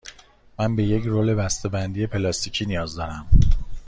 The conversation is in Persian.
من به یک رول بسته بندی پلاستیکی نیاز دارم.